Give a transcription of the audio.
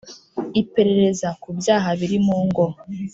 Iperereza ku byaha biri mu ngo